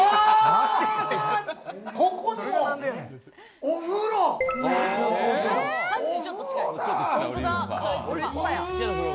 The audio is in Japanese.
ここにもお風呂。